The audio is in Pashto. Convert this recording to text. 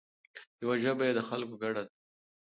یوه ژبه یې د خلکو ګډه ده.